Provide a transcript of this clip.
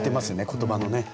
言葉のね。